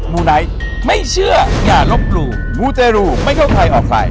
มูไนท์ไม่เชื่ออย่าลบหลู่มูเตรูไม่เข้าใครออกใคร